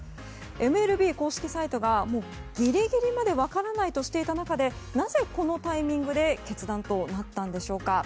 ＭＬＢ公式サイトがギリギリまで分からないとしていた中でなぜこのタイミングで決断となったんでしょうか。